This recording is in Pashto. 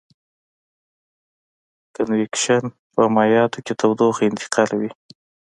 کنویکشن په مایعاتو کې تودوخه انتقالوي.